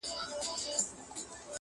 شیرینی به یې لا هم ورته راوړلې؛